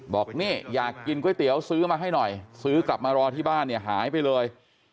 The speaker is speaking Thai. บอกนี่อยากกินก๋วยเตี๋ยวซื้อมาให้หน่อยซื้อกลับมารอที่บ้านเนี่ยหายไปเลย